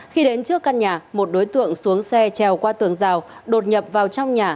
khi đến trước căn nhà một đối tượng xuống xe trèo qua tường rào đột nhập vào trong nhà